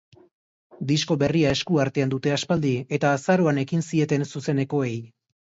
Disko berria esku artean dute aspaldi, eta azaroan ekin zieten zuzenekoei.